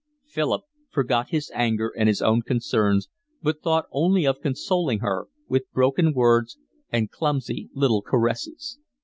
Philip forgot his anger and his own concerns, but thought only of consoling her, with broken words and clumsy little caresses.